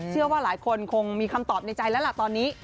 เชื่อว่าหลายคนคงมีคำตอบในใจแล้วล่ะตอนนี้